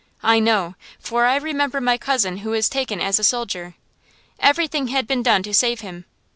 I know, for I remember my cousin who was taken as a soldier. Everything had been done to save him.